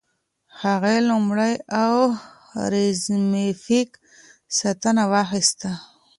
هغې لومړۍ اوزیمپیک ستنه واخیسته.